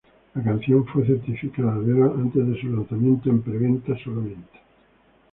La canción fue certificada de oro antes de su lanzamiento en pre-venta solamente.